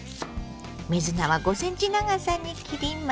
水菜は５ｃｍ長さに切ります。